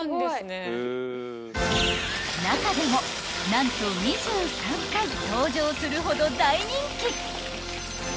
［中でも何と２３回登場するほど大人気］